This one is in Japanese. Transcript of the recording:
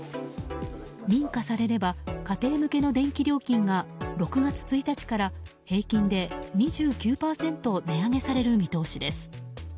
認可されれば家庭向けの電気料金が６月１日から平均で２９％値上げされる見通しです。